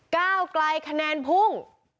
ก้าวไกลคะแนนพุ่ง